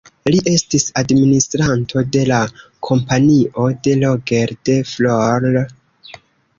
Li estis administranto de la Kompanio de Roger de Flor.